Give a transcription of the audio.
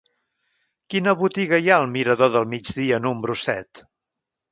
Quina botiga hi ha al mirador del Migdia número set?